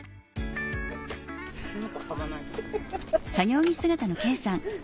何かはまんない。